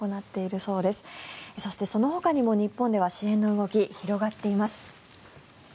そしてそのほかにも日本では支援の動きが広がっています。